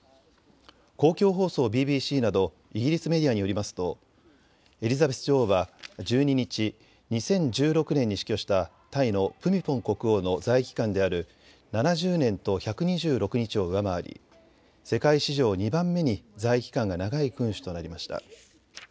公共放送ＢＢＣなどイギリスメディアによりますとエリザベス女王は１２日、２０１６年に死去したタイのプミポン国王の在位期間である７０年と１２６日を上回り世界史上２番目に在位期間が長い君主となりました。